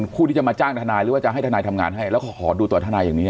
ผู้ที่จะมาจ้างทนายหรือว่าจะให้ทนายทำงานให้แล้วก็ขอดูตัวทนายอย่างนี้